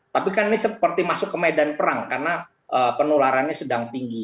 tapi kan ini seperti masuk ke medan perang karena penularannya sedang tinggi